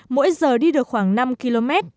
mỗi giờ đi được khoảng năm km